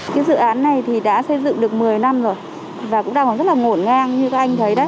cái dự án này thì đã xây dựng được một mươi năm rồi và cũng đang còn rất là ngổn ngang như các anh thấy đây